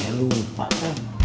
ya lu lupa kan